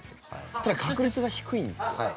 ただ、確率が低いんですよ。